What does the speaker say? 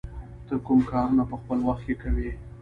ته کوم کارونه په خپل وخت کې کوې؟